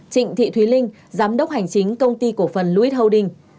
trịnh thị thùy linh giám đốc hành chính công ty cổ phần lewis holding